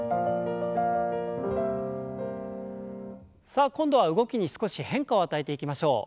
さあ今度は動きに少し変化を与えていきましょう。